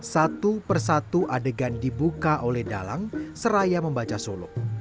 satu persatu adegan dibuka oleh dalang seraya membaca solo